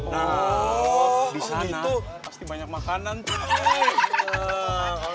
nah di sana pasti banyak makanan tuh